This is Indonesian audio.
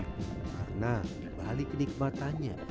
karena di balik kenikmatannya